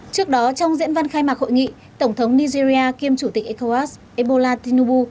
trước đó trong diễn văn khai mạc hội nghị tổng thống nigeria kiêm chủ tịch ecowas ebola tinubu